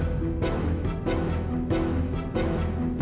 aku mau pulang